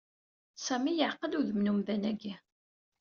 Sami yeɛqel udem n umdan-agi.